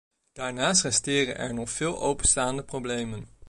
Daarnaast resteren er nog veel openstaande problemen.